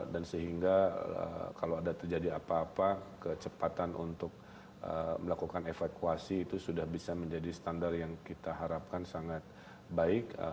dan sehingga kalau ada terjadi apa apa kecepatan untuk melakukan evakuasi itu sudah bisa menjadi standar yang kita harapkan sangat baik